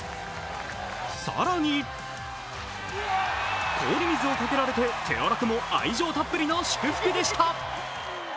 更に、氷水をかけられて手荒くも愛情たっぷりの祝福でした。